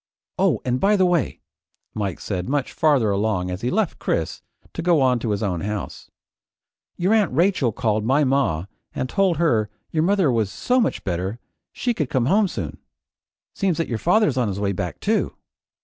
"Oh an' by the way," Mike said much farther along as he left Chris to go on to his own house, "your Aunt Rachel called my ma and told her your mother was so much better she could come home soon. Seems that your father's on his way back too."